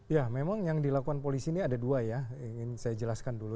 ya memang yang dilakukan polisi ini ada dua ya ingin saya jelaskan dulu